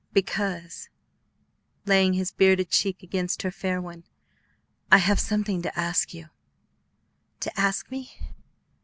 "Because," laying his bearded cheek against her fair one, "I have something to ask you." "To ask me?"